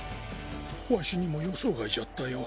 わしにも予想外じゃったよ。